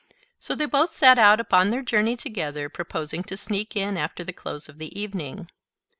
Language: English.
So they both set out upon their journey together, proposing to sneak in after the close of the evening.